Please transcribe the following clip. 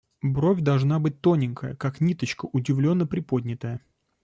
Бровь должна быть тоненькая, как ниточка, удивленно-приподнятая.